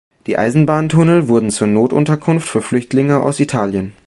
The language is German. Die Eisenbahntunnel wurden zur Notunterkunft für Flüchtlinge aus Italien.